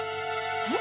えっ？